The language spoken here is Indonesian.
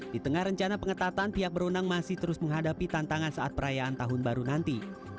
di tengah rencana pengetatan pihak berunang masih terus menghadapi tantangan saat perayaan tahun baru nanti